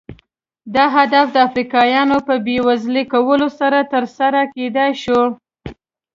دا هدف د افریقایانو په بېوزله کولو سره ترلاسه کېدای شو.